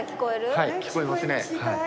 はい聞こえますね。